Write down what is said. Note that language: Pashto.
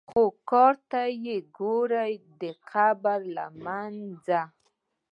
خو کار ته یې ګورې د قبر له منځه.